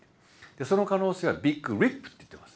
その可能性はビッグリップっていってます